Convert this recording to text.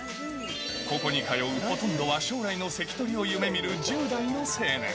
ここに通うほとんどは将来の関取を夢みる１０代の青年。